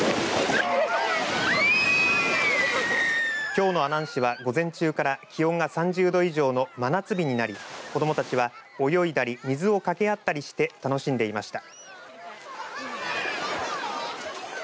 きょうの阿南市は午前中から気温が３０度以上の真夏日になり子どもたちは泳いだり水をかけ合ったりして楽しんでいました。